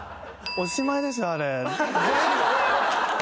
おしまいですよあれ。